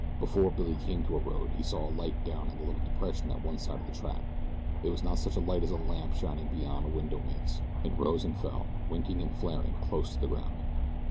Before Billy came to a road he saw a light down in a little depression at one side of the track. It was not such a light as a lamp shining beyond a window makes. It rose and fell, winking and flaring close to the ground.